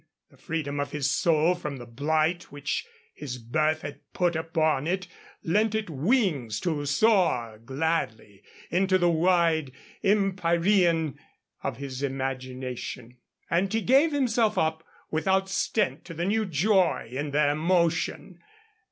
The freedom of his soul from the blight which his birth had put upon it lent it wings to soar gladly into the wide empyrean of his imagination. And he gave himself up without stint to the new joy in their motion.